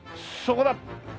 そこだ。